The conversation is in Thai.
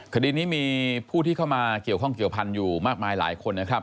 คดีนี้มีผู้ที่เข้ามาเกี่ยวข้องเกี่ยวพันธุ์อยู่มากมายหลายคนนะครับ